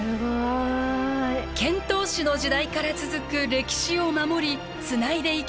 遣唐使の時代から続く歴史を守りつないでいきたい。